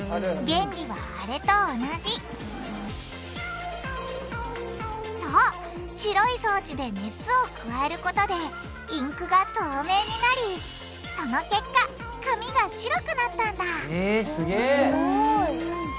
原理はあれと同じそう白い装置で熱を加えることでインクが透明になりその結果紙が白くなったんだえすげ！